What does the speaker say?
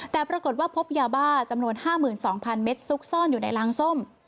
แต่ปรากฏว่าพบยาบ้าจำนวน๕๒๐๐เมตรซุกซ่อนอยู่ในล้างส้ม